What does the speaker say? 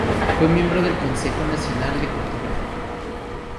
Fue miembro del Consejo Nacional de Cultura.